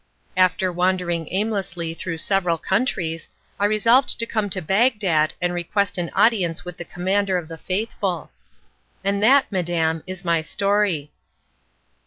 After wandering aimlessly through several countries, I resolved to come to Bagdad and request an audience of the Commander of the Faithful. And that, madam, is my story.